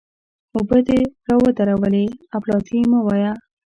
اوبه دې را ودرولې؛ اپلاتي مه وایه!